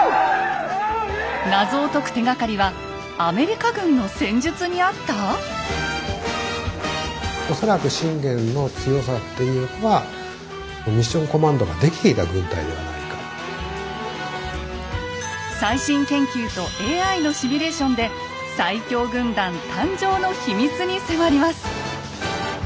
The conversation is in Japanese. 謎を解く手がかりはアメリカ軍の戦術にあった⁉恐らく信玄の強さっていうのは最新研究とＡＩのシミュレーションで最強軍団誕生の秘密に迫ります。